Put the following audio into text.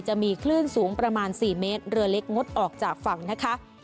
จะมีคลื่นสูงประมาณ๔เมตรเรือเล็กงดออกจากฝั่งนะคะ